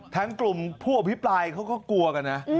ทั้งกลุ่มผู้บริไฟฟลายเค้ากลัวกันนะ